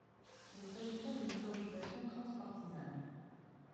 Il s’agit là d’une préoccupation trans-partisane.